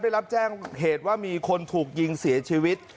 ได้รับแจ้งเหตุว่ามีคนถูกยิงเสียชีวิต